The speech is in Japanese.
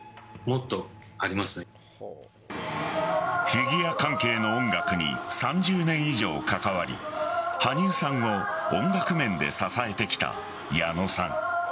フィギュア関係の音楽に３０年以上関わり羽生さんを音楽面で支えてきた矢野さん。